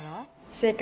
正解！